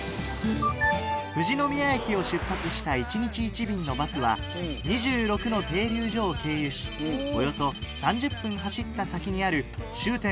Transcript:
富士宮駅を出発した１日１便のバスは２６の停留所を経由しおよそ３０分走った先にある終点